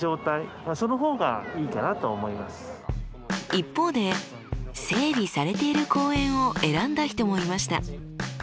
一方で整備されている公園を選んだ人もいました。